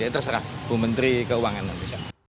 terserah bu menteri keuangan yang bisa